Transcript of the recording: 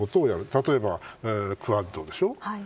例えばクアッドでしょ